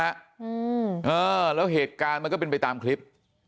อืมเออแล้วเหตุการณ์มันก็เป็นไปตามคลิป